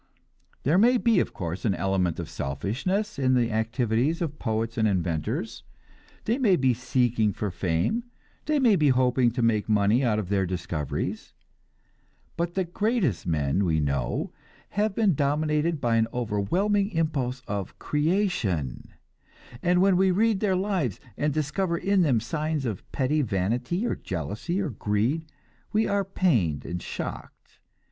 There may be, of course, an element of selfishness in the activities of poets and inventors. They may be seeking for fame; they may be hoping to make money out of their discoveries; but the greatest men we know have been dominated by an overwhelming impulse of creation, and when we read their lives, and discover in them signs of petty vanity or jealousy or greed, we are pained and shocked.